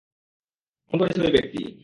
খুন করেছে ওই ব্যক্তি।